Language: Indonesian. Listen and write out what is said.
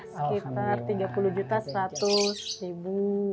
sekitar rp tiga puluh juta seratus ribu